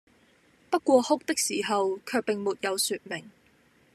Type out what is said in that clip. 不過哭的時候，卻並沒有説明，